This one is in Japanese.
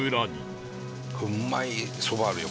うまいそばあるよ